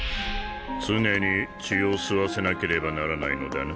常に血を吸わせなければならないのだな。